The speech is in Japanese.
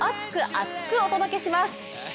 厚く！お届けします。